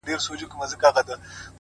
• ماشومان يې بلاګاني په خوب ويني,